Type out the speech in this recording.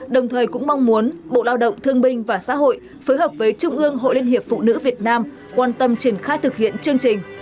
đồng thời cũng mong muốn bộ lao động thương binh và xã hội phối hợp với trung ương hội liên hiệp phụ nữ việt nam quan tâm triển khai thực hiện chương trình